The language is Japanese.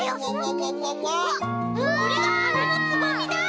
これがはなのつぼみだ！